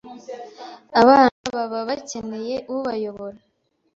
Abana baba bakeneye ubayobora.